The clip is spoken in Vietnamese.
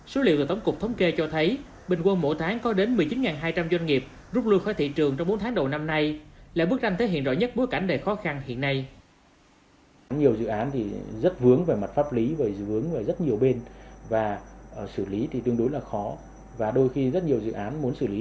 số liệu từ tổng cục thống kê cho thấy bình quân mỗi tháng có đến một mươi chín hai trăm linh doanh nghiệp rút lui khỏi thị trường trong bốn tháng đầu năm nay là bức tranh thể hiện rõ nhất bối cảnh đầy khó khăn hiện nay